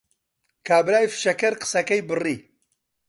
کابرای فشەکەر قسەکەی بڕی